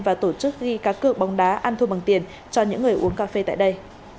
và tổ chức ghi cá cự bóng đá ăn thua bằng tiền cho những người uống cà phê tại đây